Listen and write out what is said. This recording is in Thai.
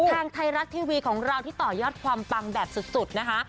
ทางไทยรัฐทีวีของเราที่ต่อยอดความปังแบบสุดนะคะ